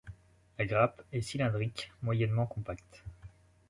La grappe est cylindrique, moyennement compacte.